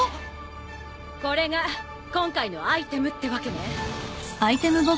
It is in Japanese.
これが今回のアイテムってわけね。